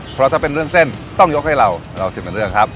เพราะถ้าเป็นเรื่องเส้นต้องยกให้เราเรา๑๐เป็นเรื่องครับ